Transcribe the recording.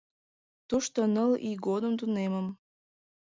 Тушто ныл ий годым тунемым.